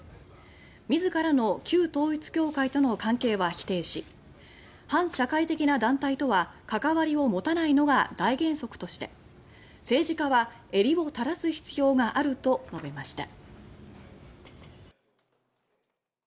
自らの旧統一教会との関係は否定し反社会的な団体とは関わりを持たないのが大原則として政治家は襟を正す必要があると述べました。